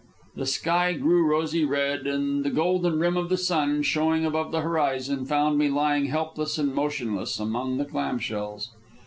The sky grew rosy red, and the golden rim of the sun, showing above the horizon, found me lying helpless and motionless among the clam shells.